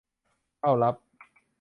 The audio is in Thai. เต้ารับ